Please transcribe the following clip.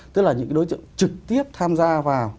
tức là những cái đối tượng trực tiếp tham gia vào